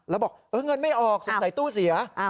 แล้วบอกเงินไม่ออกสงสัยตู้เสีย